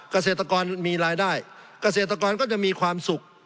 เกษตรกรมีรายได้เกษตรกรก็จะมีความสุข